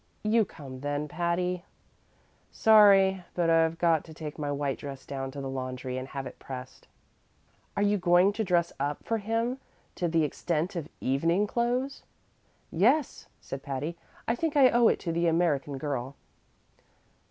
"You come, then, Patty." "Sorry, but I've got to take my white dress down to the laundry and have it pressed." "Are you going to dress up for him to the extent of evening clothes?" "Yes," said Patty; "I think I owe it to the American Girl."